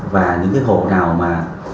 và những hộ nào mà